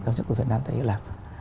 cao nhất của việt nam tại hy lạp